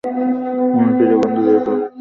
আমার প্রিয় বন্ধু বিয়ে করছে।